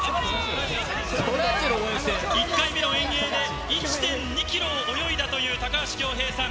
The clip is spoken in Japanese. １回目の遠泳で、１．２キロを泳いだという高橋恭平さん。